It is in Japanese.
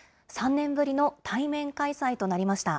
３年ぶりの対面開催となりました。